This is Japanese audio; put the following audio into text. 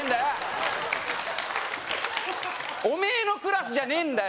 おめえのクラスじゃねえんだよ